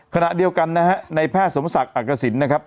ขณะเดียวกันในแพทย์สมศักดิ์อักษิรณ์